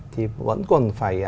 thì vẫn còn phải